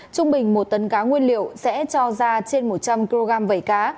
trung bình một tấn cá nguyên liệu sẽ cho ra trên một trăm linh kg vẩy cá